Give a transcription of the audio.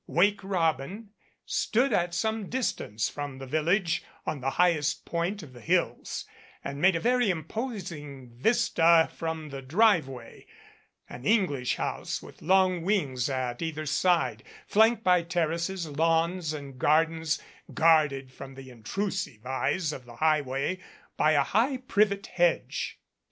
"Wake Robin" stood at some distance from the village on the highest point of the hills and made a very imposing vista from the driveway an English house with long wings at either side, flanked by terraces, lawns and gardens, guarded from the intrusive eyes of the highway by a high privet hedge.